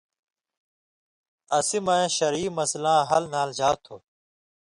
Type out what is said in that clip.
اسی مہ شرعی مَسلاں حل نھالژا تُھو